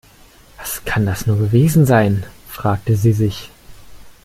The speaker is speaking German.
Was kann das nur gewesen sein, fragte sie sich.